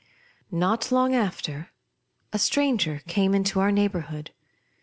Not long after, a stranger came into our neighbourhood.